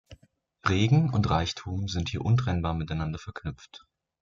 Regen und Reichtum sind hier untrennbar miteinander verknüpft.